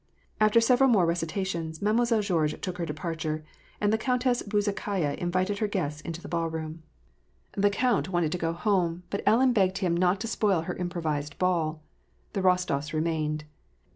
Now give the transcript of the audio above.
After several more recitations, Mademoiselle Georges took her departure, and the Countess Bezukhaya invited her guests into the ballroom. WAR AND PEACE. 357 The count wanted to go home, but Ellen begged him not to spoil her improvised ball. The Kostofs remained.